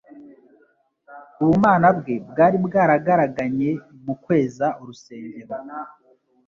Ubumana bwe bwari bwaragaraganye mu kweza urusengero,